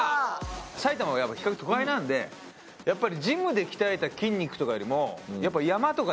埼玉は比較的都会なんでやっぱりジムで鍛えた筋肉とかよりも。